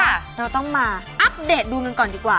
เราต้องมาอัปเดตดูกันก่อนดีกว่า